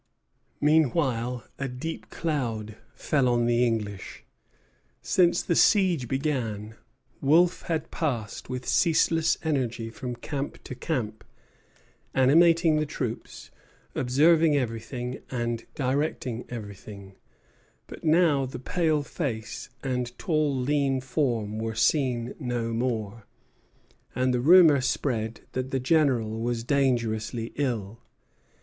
Meanwhile a deep cloud fell on the English. Since the siege began, Wolfe had passed with ceaseless energy from camp to camp, animating the troops, observing everything, and directing everything; but now the pale face and tall lean form were seen no more, and the rumor spread that the General was dangerously ill.